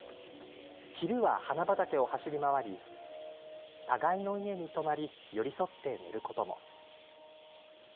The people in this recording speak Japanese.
昼は花畑を走り回り夜は一緒のベッドで寄り添って寝ることも。